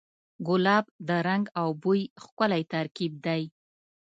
ګلاب د رنګ او بوی ښکلی ترکیب دی.